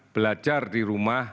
belajar di rumah